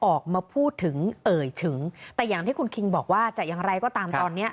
ออกมาพูดถึงเอ่ยถึงแต่อย่างที่คุณคิงบอกว่าจะอย่างไรก็ตามตอนเนี้ย